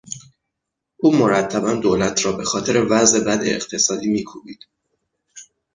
او مرتبا دولت را به خاطر وضع بد اقتصادی میکوبید.